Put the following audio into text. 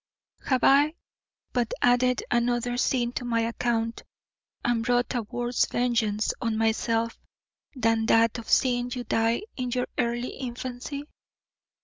Have I but added another sin to my account and brought a worse vengeance on myself than that of seeing you die in your early infancy?